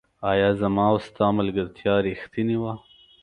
آيا زما او ستا ملګرتيا ريښتيني نه وه